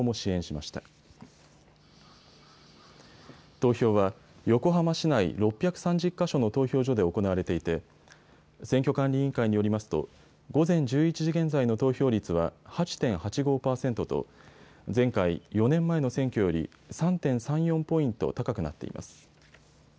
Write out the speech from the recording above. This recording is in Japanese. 投票は横浜市内６３０か所の投票所で行われていて選挙管理委員会によりますと午前１１時現在の投票率は８．８５％と前回４年前の選挙より３．３４ポイント高くなっています。